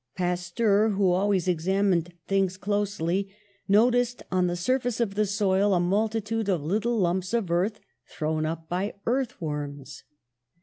Pasteur, who always examined things closely, noticed on the surface of the soil a multitude of little lumps of earth thrown up by earth worms.